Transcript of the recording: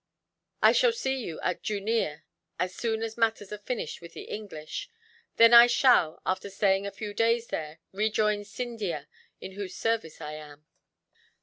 I shall see you at Jooneer, as soon as matters are finished with the English; then I shall, after staying a few days there, rejoin Scindia, in whose service I am."